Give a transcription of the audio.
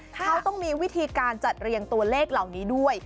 เขาต้องมีวิธีการจัดเรียงตัวเลขเหล่านี้ด้วย